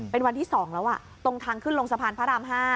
เป็นวันที่๒แล้วตรงทางขึ้นลงสะพานพระราม๕